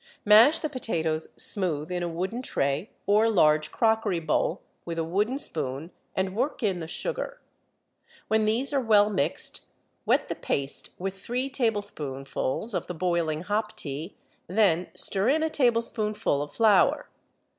Mash the potatoes smooth in a wooden tray or large crockery bowl, with a wooden spoon, and work in the sugar. When these are well mixed wet the paste with three tablespoonfuls of the boiling hop tea, then stir in a tablespoonful of flour.